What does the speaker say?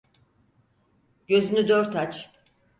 Gözünü dört aç.